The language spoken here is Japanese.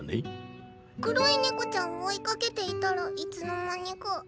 黒いネコちゃんを追いかけていたらいつの間にか。